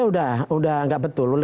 sudah tidak betul